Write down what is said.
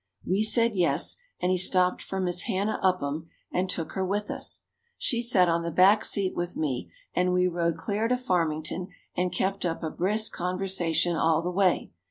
We said yes, and he stopped for Miss Hannah Upham and took her with us. She sat on the back seat with me and we rode clear to Farmington and kept up a brisk conversation all the way.